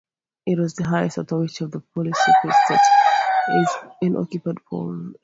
It was the highest authority of the Polish Secret State in occupied Poland.